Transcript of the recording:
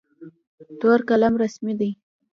تور قلم رسمي دی.